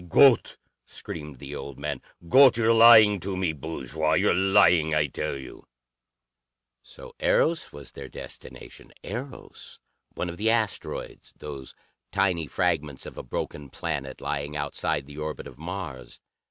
"Gott!" screamed the old man. "Gott, you're lying to me, bourgeois! You're lying, I tell you!" So Eros was their destination! Eros, one of the asteroids, those tiny fragments of a broken planet, lying outside the orbit of Mars.